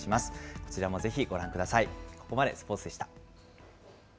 こちらもぜひご覧ください。